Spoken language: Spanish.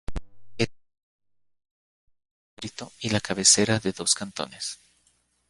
Es la subprefectura de su distrito y la cabecera de dos cantones.